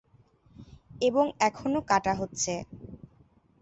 এবং এখনো কাটা হচ্ছে।